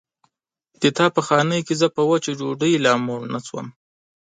ستا په خانۍ کې زه په وچه ډوډۍ لا موړ نه شوم.